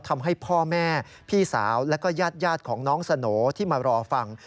ทำให้พ่อแม่พี่สาวแล้วก็ญาติของน้องสโหน่ที่มารอฟัง